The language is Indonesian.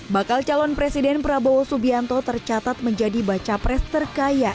bakal calon presiden prabowo subianto tercatat menjadi baca pres terkaya